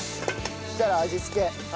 そしたら味付け。